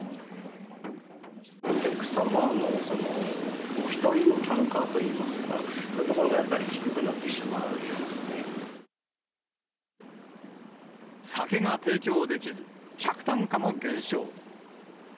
お客様の、お一人の単価といいますか、そういうところがやっぱり低くな酒が提供できず、客単価も減少。